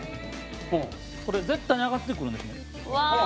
これ、絶対に上がってくるんですよね。